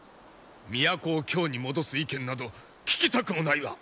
都を京に戻す意見など聞きたくもないわ！